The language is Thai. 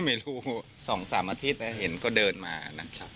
ไม่รู้๒๓อาทิตย์เห็นก็เดินมานะครับ